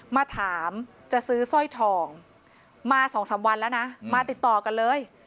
มาถามจะซื้อสร้อยทองมา๒๓วันแล้วนะมาติดต่อกันเลย